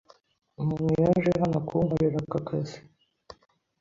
Umuntu yaje hano kunkorera aka kazi